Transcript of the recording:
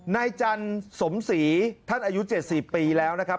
นายจันทร์สมศรีท่านอายุ๗๐ปีแล้วนะครับ